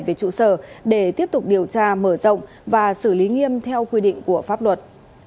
về trụ sở để tiếp tục điều tra mở rộng và xử lý nghiêm theo quy định của pháp luật